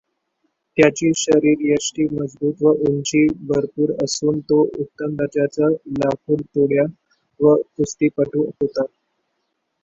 त्याची शरीरयष्टी मजबूत व उंची भरपूर असून तो उत्तम दर्जाचा लाकूडतोड्या व कुस्तीपटू होता.